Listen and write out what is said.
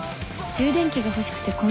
充電器が欲しくてコンビニに。